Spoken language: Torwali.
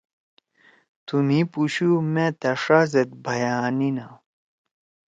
تُو مھی پُوشُو مأ تھأ ݜا زید بھئیانیِنا